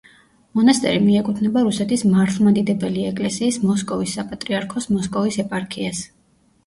მონასტერი მიეკუთვნება რუსეთის მართლმადიდებელი ეკლესიის მოსკოვის საპატრიარქოს მოსკოვის ეპარქიას.